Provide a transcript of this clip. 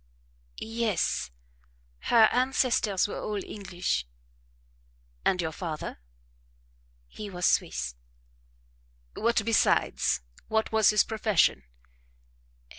"Yes her ancestors were all English." "And your father?" "He was Swiss." "What besides? What was his profession?"